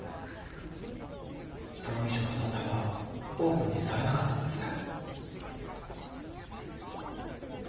その遺書の存在はオープンにされなかったんですね？